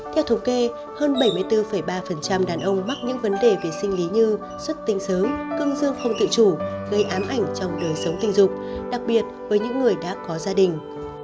theo thống kê hơn bảy mươi bốn ba đàn ông mắc những vấn đề về sinh lý như xuất tinh sớm cưng dương không tự chủ gây ám ảnh trong đời sống tình dục đặc biệt với những người đã có gia đình